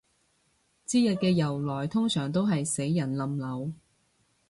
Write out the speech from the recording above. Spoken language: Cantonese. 節日嘅由來通常都係死人冧樓